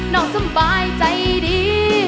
น้องสบายใจดี